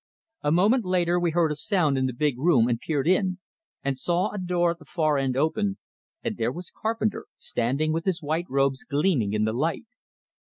A moment later we heard a sound in the big room, and peered in, and saw a door at the far end open and there was Carpenter, standing with his white robes gleaming in the light.